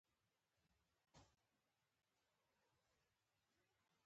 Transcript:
د سوداګرۍ اتاق رول څه دی؟